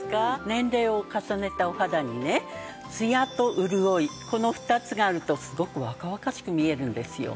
年齢を重ねたお肌にねツヤと潤いこの２つがあるとすごく若々しく見えるんですよ。